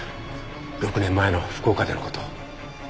６年前の福岡での事。